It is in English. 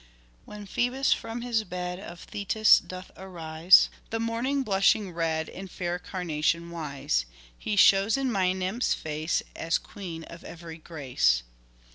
When Phoebus from his bed Of Thetis doth arise, The morning blushing red In fair Carnation wise, He shows in my Nymph's face As Queen of every grace.